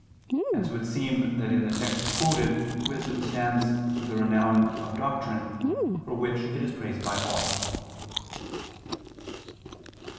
Hence it would seem that in the text quoted wisdom stands for the renown of doctrine, for which it is praised by all.